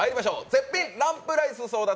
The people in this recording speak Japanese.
絶品ランプライス争奪！